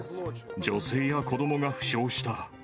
女性や子どもが負傷した。